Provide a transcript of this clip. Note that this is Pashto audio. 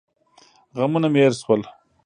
غمونه مې هېر سول.